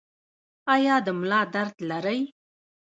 ایا د ملا درد لرئ؟